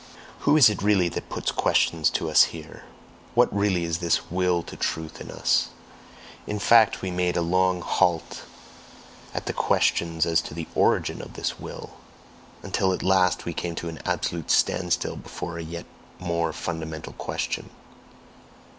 WHO is it really that puts questions to us here? WHAT really is this "Will to Truth" in us? In fact we made a long halt at the question as to the origin of this Will until at last we came to an absolute standstill before a yet more fundamental question.